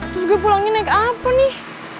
terus gue pulangnya naik apa nih